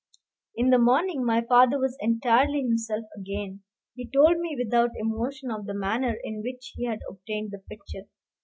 In the morning my father was entirely himself again. He told me without emotion of the manner in which he had obtained the picture.